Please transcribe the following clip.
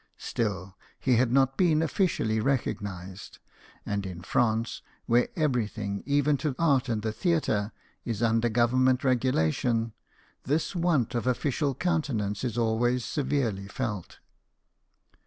Still, he had not been officially recognized ; and in France, where everything, even to art and the theatre, is under governmental regulation, this want of official countenance is always severely felt.